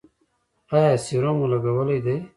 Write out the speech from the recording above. ایا سیروم مو لګولی دی؟